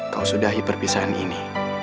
kau sudahi perpisahan ini